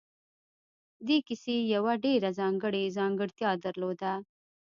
دې کيسې يوه ډېره ځانګړې ځانګړتيا درلوده.